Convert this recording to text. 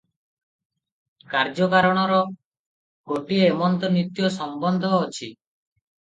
କାର୍ଯ୍ୟକାରଣର ଗୋଟିଏ ଏମନ୍ତ ନିତ୍ୟ ସମ୍ବନ୍ଧ ଅଛି ।